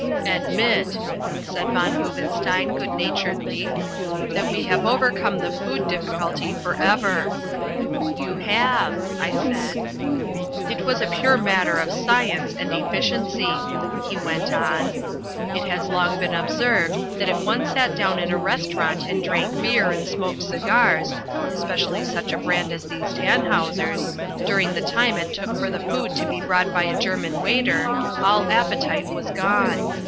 "Admit," said von Boobenstein good naturedly, "that we have overcome the food difficulty for ever." "You have," I said. "It was a pure matter of science and efficiency," he went on. "It has long been observed that if one sat down in a restaurant and drank beer and smoked cigars (especially such a brand as these Tannhausers) during the time it took for the food to be brought (by a German waiter), all appetite was gone.